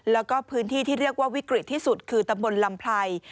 แล้วก็พื้นที่ที่เรียกว่าวิกฤตที่สุดคือตำบลลำไพร